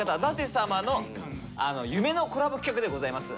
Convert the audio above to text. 舘様の夢のコラボ企画でございます。